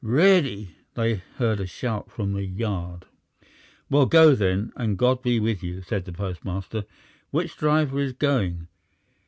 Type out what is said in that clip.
"Ready!" they heard a shout from the yard. "Well, go then, and God be with you," said the postmaster. "Which driver is going?"